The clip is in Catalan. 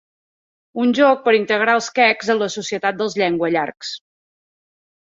Un joc per integrar els quecs en la societat dels llenguallargs.